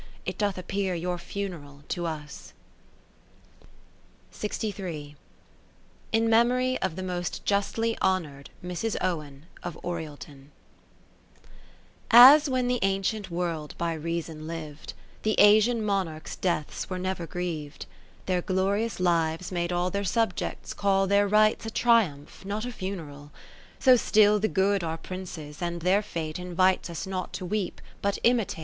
It doth appear your funeral to us. In memory of the most justly Honoured, Mrs, Owen of Oriel ton As when the ancient World by Reason liv'd, The Asian Monarchs' deaths were never griev'd ; Their glorious lives made all their Subjects call Their rites a triumph, not a funeral : So still the Good are Princes, and their fate Invites us not to weep but imitate.